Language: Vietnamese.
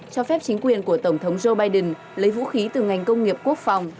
cho phép chính quyền của tổng thống joe biden lấy vũ khí từ ngành công nghiệp quốc phòng